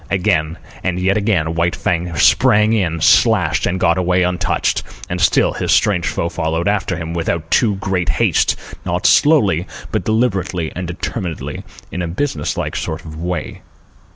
Again, and yet again, White Fang sprang in, slashed, and got away untouched, and still his strange foe followed after him, without too great haste, not slowly, but deliberately and determinedly, in a businesslike sort of way.